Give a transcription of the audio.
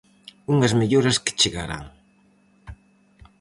Unhas melloras que chegarán.